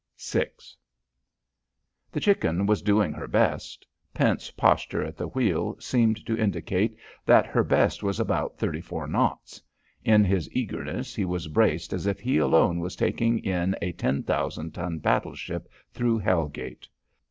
VI The Chicken was doing her best. Pent's posture at the wheel seemed to indicate that her best was about thirty four knots. In his eagerness he was braced as if he alone was taking in a 10,000 ton battleship through Hell Gate.